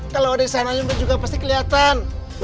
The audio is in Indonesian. kalau ada di sana juga pasti kelihatan